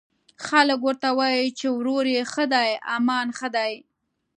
خلک ورته وايي، چې وروري ښه ده، امان ښه دی